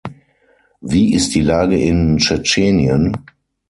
Wie ist die Lage in Tschetschenien?